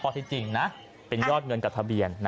ที่จริงนะเป็นยอดเงินกับทะเบียน